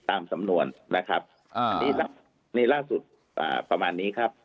ตามสำนวนนะครับแหละสุดประมาณนี้ครับ